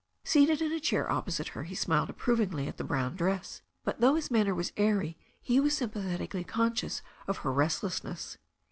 Seated in a chair opposite her, he smiled approvingly at the brown dress. But though his manner was airy he was sympathetically conscious , of her restlessness.